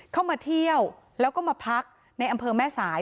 เข้ามาเที่ยวแล้วก็มาพักในอำเภอแม่สาย